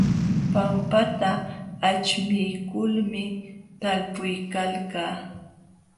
Pampata aćhmiykulmi talpuykalkaa.